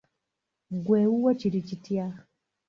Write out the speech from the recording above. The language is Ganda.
Ggwe ewuwo kiri kitya ?